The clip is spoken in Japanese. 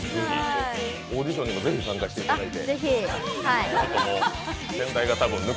オーディションにもぜひ参加していただいて。